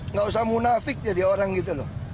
nggak usah munafik jadi orang gitu loh